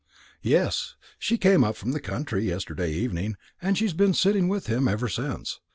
"Yes; she came up from the country yesterday evening, and she's been sitting with him ever since.